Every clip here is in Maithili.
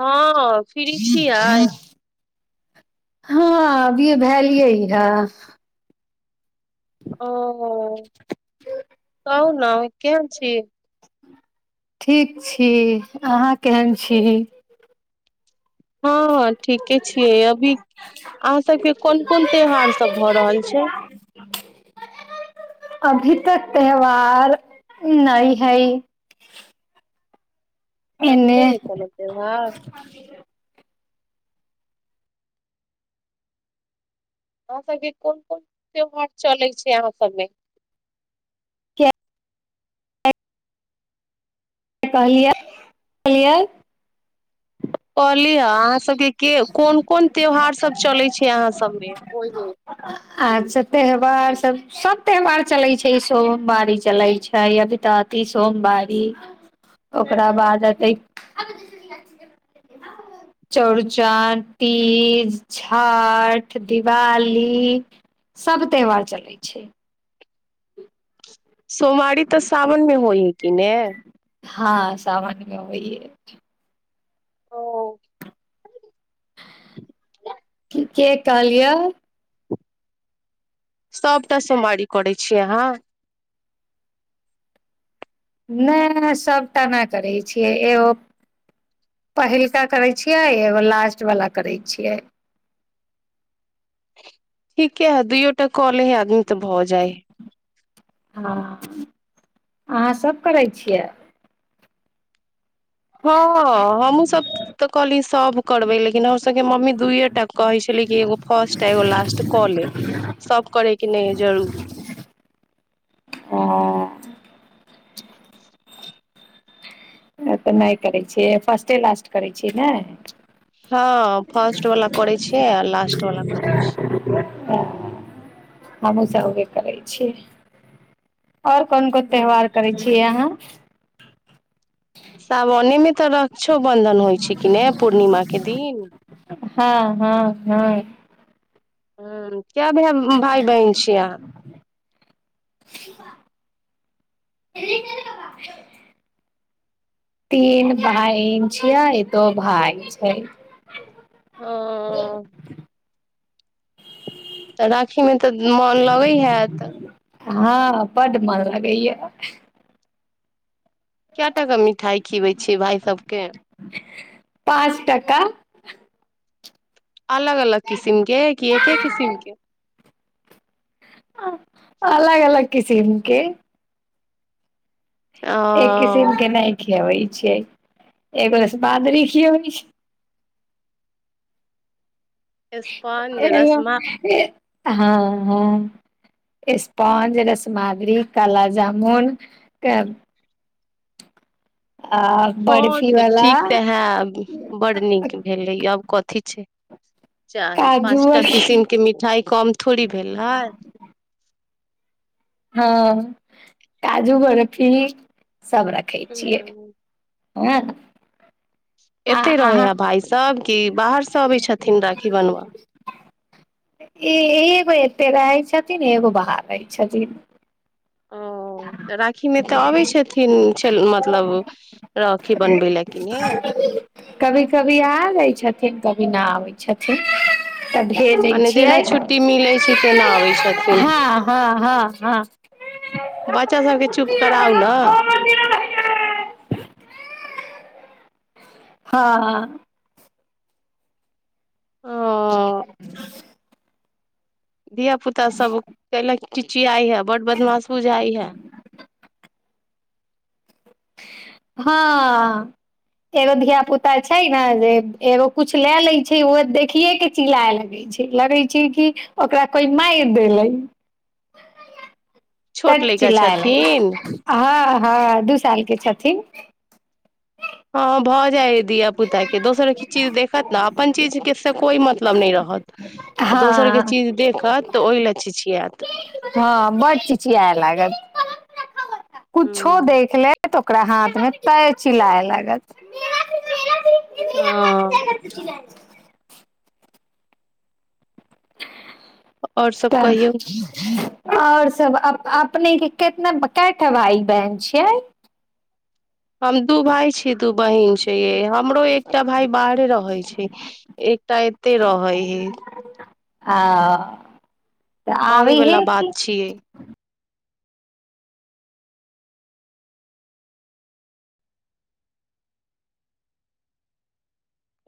हँ फ्रि छियै हँ अभिये भेलियै ह ओ तहन केहन छी ठीक छी अहाँ केहन छी हँ ठीके छियै अभी अहाँ सभके कोन कोन त्यौहार सभ भऽ रहल छै त्यहार नई हइ अभी नहि एने हेतै ने से बात अहाँ सभके कोन कोन त्यौहार चलै छै अहाँ सभमे किया कहलिय कहलिय कहली ह अहाँ सबके कोन कोन त्यौहार सभ चलय छै अहाँ सभमे अच्छा त्यौहार सभ सभ त्यौहार चलै छै सोमवारी चलै छै अभिततीी सोमवारी ओकरा बाद अतै चौड़चन तीज छठि दिवाली सभ त्यौहार चलै छै सोमारी तऽ सावनमे होइ है कि ने हँ सावन मे होय है ओ के कलिय सबटा सोमारि करै छि आहा नहि सभटा नहि करै छियै एगो पहिलका करै छियै एगो लास्टवला करै छियै ठीके है दूोटा कले ही आदमी तऽ भऽ जाइ हँ अहाँ सभ करै छियै हँ हमहुूँ सब तऽ कहली सभ करबै लेकिन हमसभके मम्मी दुूए टा कहै छलै कि एगो फर्स्ट आ एगो लास्ट कऽ ले सभ करैके नहि जरूरी हँ तऽ नहि करै छियै फर्स्टे लास्ट करै छियै ने हँ फर््स्ट वला करै छिय आ लास्ट वला कर छै ह हमहु सबे करै छियै और कोन कोन हँ त्यौहार करै छीियै अहाँ सावने मे तऽ रक्षा बंधन होइ छै कि ने पूर्णिमा के दिन हँ हँ हँ हँ क्य भ भााय बहिन छीिय अहाँ [unintelligible] तीन बहिन छियै दो भाय छै ओ तऽ राखयमे तऽ मोन लगै हत हँ बड मन लागै य कए टाका मिठाइ खिअबै छियै भााय सभके पाँच टाका अलग अलग किसिम के क एके किसिमके अलग अलग किसीमके एक किसिम ओ के नहि खियेभै छियै एगो रसमाधूरी खियैबे छियै स्पंज रसमा एना हँ हँ स्पॉज रसमद्री काला जामुन हँ बर्फी तऽ वाला ठीक तऽ हे बड़ नीक भेलै आब कथी छै चाही काजू पाँच टा बर्फी किसिम के मिठाई कम थोड़ी भेल है ह काजू बरफी सभ रखै छियै हूँ [inaudible] आ एते रहे अहाँ है भाय सब कि बाहर से अबै छथिन राखी बनबऽ इ ई एते रहै छै छथिन एगो बाहर रहै छथिन ओ तऽ राखी मे तऽ अबै छथिन मतलब राखी बनबै लेकिन हे नहि आबै छथिन तऽ भेजै मने छियै जेना छुट्टी मिलै छै तेना अबै छथिन हँ हँ हँ हँ बच्चा सबके चुप कराउ ने [unintelligible] हँ ओ धिय पुता सब कयलै चिचियाय है बड बदमास बुझाय है हँ एगो धियापुता छै ने जे एगो किछु लए लैत छै ओ देखियएके चिलला लगै छै लगै छै कि ओकरा कोइ मारि देलै छोट तट लड़का चिलाय लगै छथिन हँ हँ दू साल के छथिन हँ भऽ जाय धिय पुता के दोसर चीज देखत ने अपन चीज के से कोइ मतलब नहि रहत आ दोसर के हँ चीज देखत तऽ ओहि ल चिचियत हँ बड चिचियाए लागत कुछो देख लेत ओकरा हाथ में तय चिलाए लागल [unintelligible] ओ और सब तऽ कहियौ आओर सब अपने के कितना क टा भाई बहन छियै हम दू भाय छीियै दू बहिन छै हमरो एकटा भाय बाहरे रहै छै एकटा एते रहै हे आ तऽ अही आबे वला हे कि बात छियै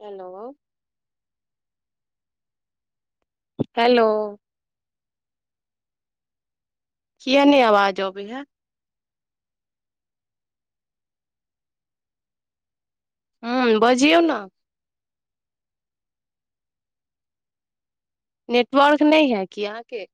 हेलो हेलो कियै नै आवाज आबै ह हू बजियऔ ने नेटवर्क नहि है कि अहाँके